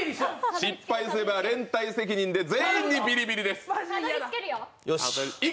失敗すれば連帯責任で全員にビリビリです。